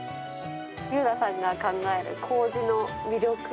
優奈さんが考えるこうじの魅